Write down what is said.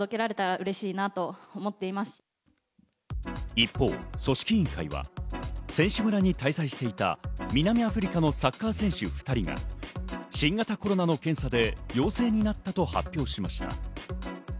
一方、組織委員会は選手村に滞在していた南アフリカのサッカー選手２人が新型コロナの検査で陽性になったと発表しました。